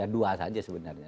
dua saja sebenarnya